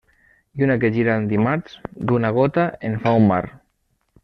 Lluna que gira en dimarts, d'una gota en fa un mar.